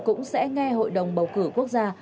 cũng sẽ nghe hội đồng bầu cử quốc gia